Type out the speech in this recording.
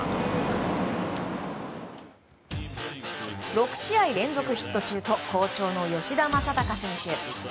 ６回連続ヒット中と好調の吉田正尚選手。